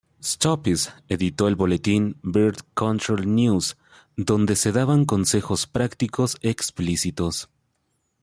Stopes editó el boletín "Birth Control News" donde se daban consejos prácticos explícitos.